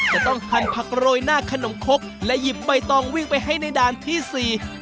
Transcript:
ต้องหั่นผักโรยหน้าขนมคกและหยิบใบตองวิ่งไปให้ในด่านที่สี่